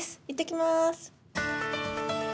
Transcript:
いってきます。